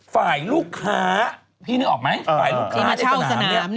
ฝ่ายลูกค้าพี่นึกออกไหมฝ่ายลูกค้าที่สนามเนี่ย